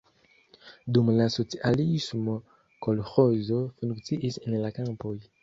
Dum la socialismo kolĥozo funkciis en la kampoj.